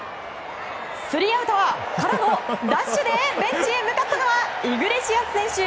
スリーアウト！からの、ダッシュでベンチで向かったのはイグレシアス選手。